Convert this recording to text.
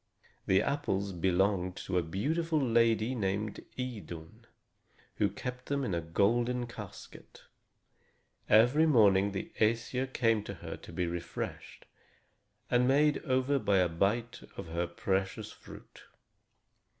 The apples belonged to a beautiful lady named Idun, who kept them in a golden casket. Every morning the Æsir came to her to be refreshed and made over by a bite of her precious fruit.